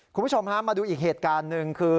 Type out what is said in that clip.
คุณผู้ชมฮะมาดูอีกเหตุการณ์หนึ่งคือ